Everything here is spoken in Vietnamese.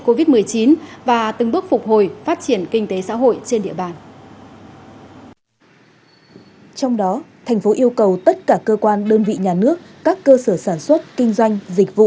covid một mươi chín và được thiết kế lại sao cho thuận thiện nhất đối với người dùng